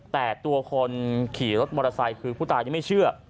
แต่ตัวคนขี่รถมอเตอร์ไซค์คือผู้ตายยังไม่เชื่อ